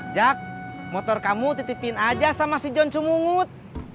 jak motor kamu titipin aja sama si john cumungut